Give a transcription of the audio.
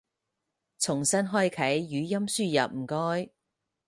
重新開啟語音輸入唔該